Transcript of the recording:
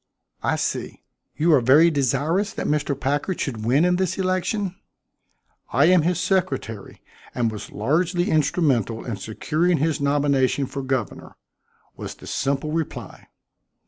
"I see. You are very desirous that Mr. Packard should win in this election?" "I am his secretary, and was largely instrumental in securing his nomination for governor," was the simple reply.